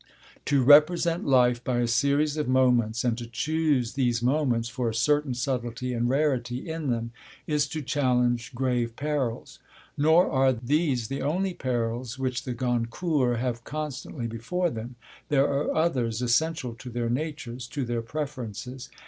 To represent life by a series of moments, and to choose these moments for a certain subtlety and rarity in them, is to challenge grave perils. Nor are these the only perils which the Goncourts have constantly before them. There are others, essential to their natures, to their preferences.